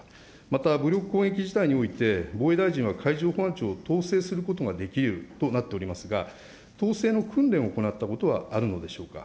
また、武力攻撃事態において、防衛大臣は海上保安庁を統制することができるとなっておりますが、統制の訓練を行ったことはあるのでしょうか。